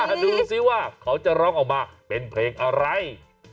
ดูสิว่าเขาจะร้องออกมาเป็นเพลงอะไร